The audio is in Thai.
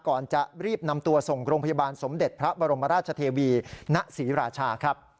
ก่อนจะรีบนำตัวส่งโรงพยาบาลสมเด็จพระบรมราชเทวีณศรีราชาครับ